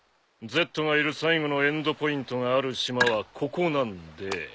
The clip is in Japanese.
Ｚがいる最後のエンドポイントがある島はここなんで。